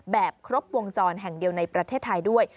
แบบครบวงจรแห่งเดียวในประเทศไทยด้วย